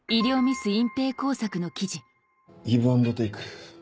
ギブアンドテイク。